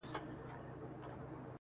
چي هر چا ورته کتل ورته حیران وه!